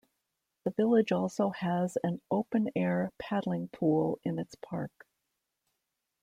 The village also has an open-air paddling pool in its park.